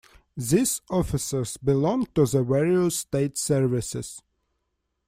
These officers belong to the various state services.